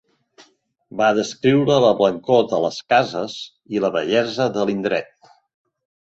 Va descriure la blancor de les cases i la bellesa de l'indret.